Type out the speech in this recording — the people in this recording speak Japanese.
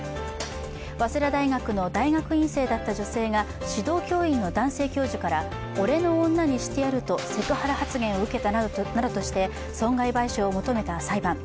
早稲田大学の大学院生だった女性が指導教員の男性教授が俺の女にしてやるとセクハラ発言を受けたなどとして、損害賠償を求めた裁判。